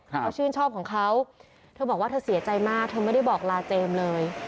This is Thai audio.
เขาชื่นชอบของเขาเธอบอกว่าเธอเสียใจมากเธอไม่ได้บอกลาเจมส์เลย